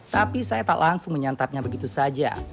tapi saya tak langsung menyantapnya begitu saja